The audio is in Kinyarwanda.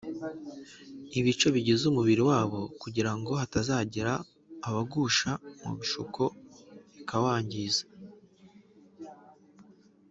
ibice bigize umubiri wabo kugira ngo hatazagira ubagusha mu bishuko bikawangiza